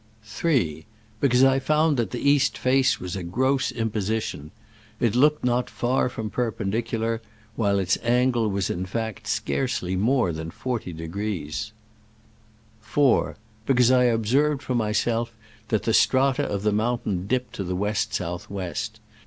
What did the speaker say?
3. Because I found that the east face was a gross imposition: it looked not far from perpendicular, while its angle was, in fact, scarcely more than 40°. 4. Because I observed for myself that the strata of the mountain dipped to the west south west.